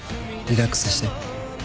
リラックスして。